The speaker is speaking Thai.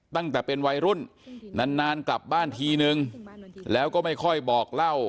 ตั้งแต่เป็นวัยรุ่นนานนานกลับบ้านทีนึงแล้วก็ไม่ค่อยบอกเล่า